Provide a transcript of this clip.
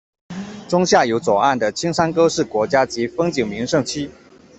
中下游左岸的青山沟是国家级风景名胜区。